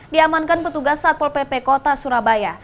diamankan petugas satpol pp kota surabaya